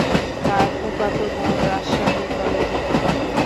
তার ফুফাতো বোন রাজশাহী কলেজে পড়ে।